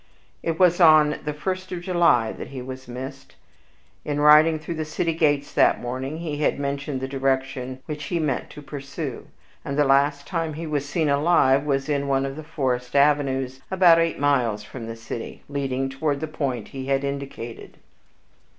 It was on the first of July that he was missed. In riding through the city gates that morning, he had mentioned the direction which he meant to pursue; and the last time he was seen alive was in one of the forest avenues, about eight miles from the city, leading toward the point he had indicated.